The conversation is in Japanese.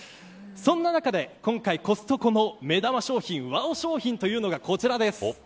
そんな中で今回コストコの目玉商品、ＷＯＷ商品というのがこちらです。